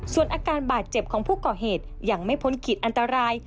ส่วนอาการบาดเจ็บของผู้ก่อเหตุยังไม่พ้นขีดอันตราย